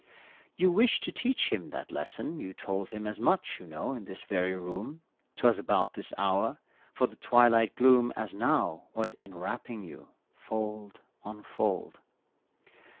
You wished to teach him that lesson, you told Him as much, you know, in this very room, 'Twas about this hour, for the twilight gloom As now, was enwrapping you, fold on fold.